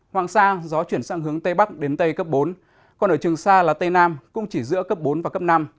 hoàng sa gió chuyển sang hướng tây bắc đến tây cấp bốn còn ở trường sa là tây nam cũng chỉ giữa cấp bốn và cấp năm